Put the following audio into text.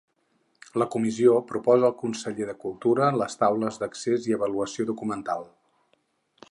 La Comissió proposa al conseller de Cultura les Taules d'Accés i Avaluació Documental.